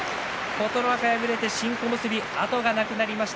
琴ノ若、敗れて新小結後がなくなりました。